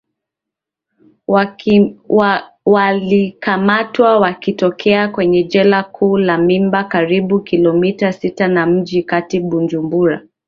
walikamatwa wakitokea kwenye jela kuu la mimba karibu kilomita sita na mjini kati bujumbura